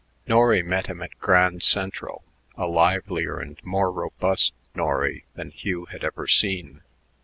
Norry met him at Grand Central, a livelier and more robust Norry than Hugh had ever seen.